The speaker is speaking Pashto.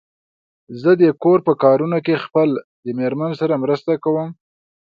زه د کور په کارونو کې خپل د مېرمن سره مرسته کوم.